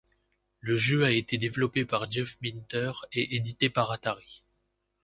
Le jeu a été développé par Jeff Minter et édité par Atari.